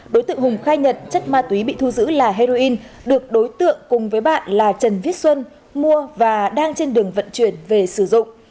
đối tượng hùng khai nhận chất ma túy bị thu giữ là heroin được đối tượng cùng với bạn là trần viết xuân mua và đang trên đường vận chuyển về sử dụng